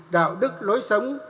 đạo đức lối sống